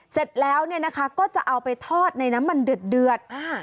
เสร็จแล้วก็จะเอาไปทอดในน้ำมันเดือด